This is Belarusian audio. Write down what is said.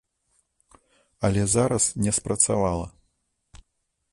Але зараз не спрацавала.